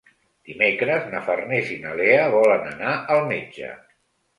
Dimecres na Farners i na Lea volen anar al metge.